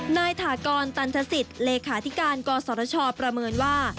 ถากรตันทศิษย์เลขาธิการกศชประเมินว่า